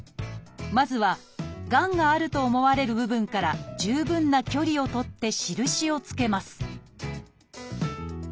まずはがんがあると思われる部分から十分な距離を取って印を付けます